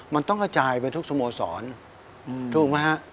มันต้องกระจายไปทุกสโมสรถูกไหมฮะ